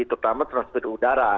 terutama transportasi udara